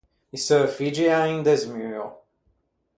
I seu figgi ean in desmuo.